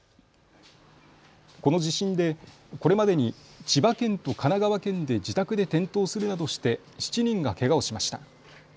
この地震でこれまでに千葉県と神奈川県で自宅で転倒するなどして７人がけがをしました。